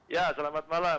ya selamat malam